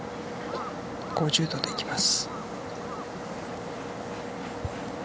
５０度でいきます。